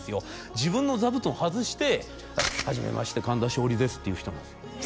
自分の座布団外して「はじめまして神田松鯉です」っていう人なんですよ